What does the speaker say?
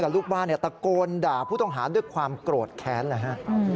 ลูกบ้านตะโกนด่าผู้ต้องหาด้วยความโกรธแค้นเลยฮะ